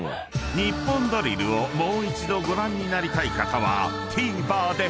［『ニッポンドリル』をもう一度ご覧になりたい方はＴＶｅｒで］